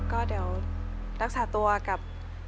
ก็เดี๋ยวรักษาตัวกับ